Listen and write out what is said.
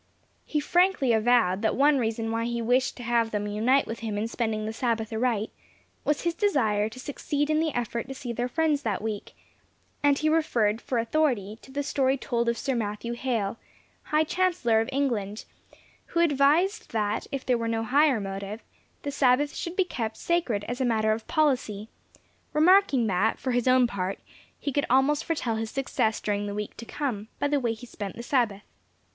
He frankly avowed that one reason why he wished to have them unite with him in spending the Sabbath aright, was his desire to succeed in the effort to see their friends that week; and he referred for authority, to the story told of Sir Matthew Hale, High Chancellor of England, who advised that, if there were no higher motive, the Sabbath should be kept sacred as a matter of policy; remarking that, for his own part, he could almost foretell his success during the week to come, by the way he spent the Sabbath.